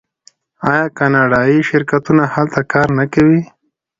آیا کاناډایی شرکتونه هلته کار نه کوي؟